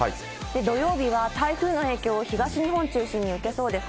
土曜日は台風の影響、東日本を中心に受けそうです。